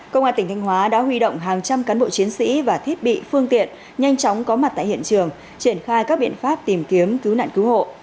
công an tỉnh thanh hóa đã huy động hàng trăm cán bộ chiến sĩ và thiết bị phương tiện nhanh chóng có mặt tại hiện trường triển khai các biện pháp tìm kiếm cứu nạn cứu hộ